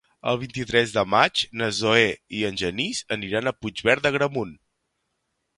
El vint-i-tres de maig na Zoè i en Genís aniran a Puigverd d'Agramunt.